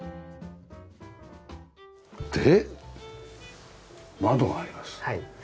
で窓があります。